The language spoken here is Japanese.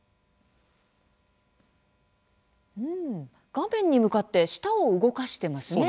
画面に向かって舌を動かしていますね。